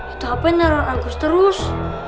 itu hp neror agus terus